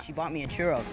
dia beli saya sebuah churro